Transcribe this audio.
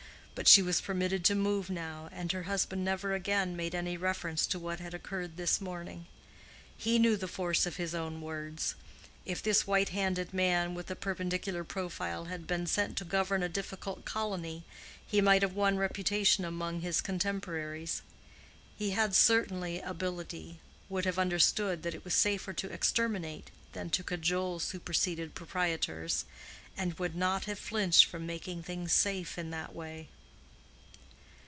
But she was permitted to move now, and her husband never again made any reference to what had occurred this morning. He knew the force of his own words. If this white handed man with the perpendicular profile had been sent to govern a difficult colony, he might have won reputation among his contemporaries. He had certainly ability, would have understood that it was safer to exterminate than to cajole superseded proprietors, and would not have flinched from making things safe in that way.